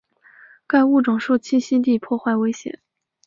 该物种受栖息地破坏威胁。